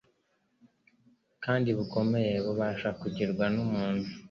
kandi bukomeye bubasha kugirwa n'umuntu.